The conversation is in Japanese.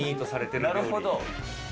なるほど。